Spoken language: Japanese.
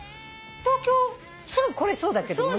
東京すぐ来れそうだけどもね。